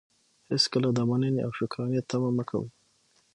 هېڅکله د منني او شکرانې طمعه مه کوئ!